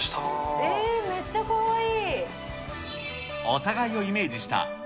えー、めっちゃかわいい。